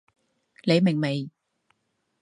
你明未？